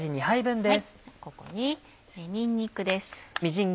ここににんにくです。